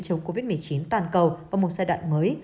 chống covid một mươi chín toàn cầu và một giai đoạn mới